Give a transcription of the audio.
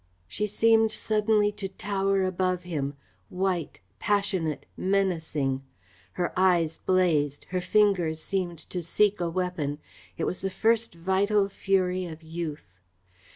She seemed suddenly to tower above him; white, passionate, menacing. Her eyes blazed, her fingers seemed to seek a weapon. It was the first vital fury of youth.